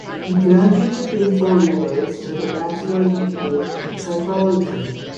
He graduated in four years with a bachelor's degree in psychology.